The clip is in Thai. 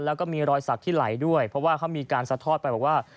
แล้วก็มีรอยสักที่ไหลด้วยเพราะว่าเขามีการซัดทอดไปบอกว่า